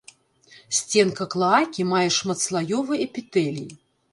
Сценка клаакі мае шматслаёвы эпітэлій.